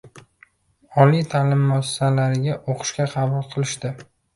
Oliy ta’lim muassasalariga o‘qishga qabul qilishdi